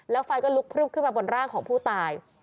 แล้วไฟก็ลุกพลึบขึ้นมาบนร่างของผู้ตาย